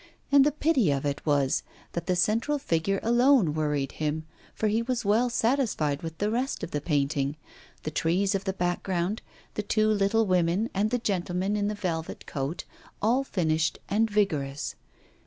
And the pity of it was, that the central figure alone worried him, for he was well satisfied with the rest of the painting, the trees of the background, the two little women and the gentleman in the velvet coat, all finished and vigorous.